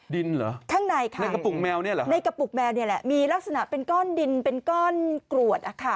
ดินเหรอในกระปุกแมวนี่แหละมีลักษณะเป็นก้อนดินเป็นก้อนกลวด